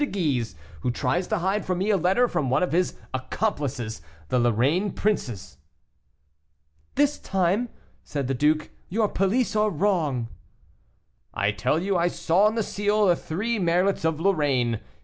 de Guise, who tries to hide from me a letter from one of his accomplices, the Lorraine princes." "This time," said the duke, "your police are wrong." "I tell you I saw on the seal the three merlets of Lorraine.